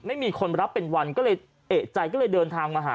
ไม่มีคนรับเป็นวันก็เลยเอกใจก็เลยเดินทางมาหา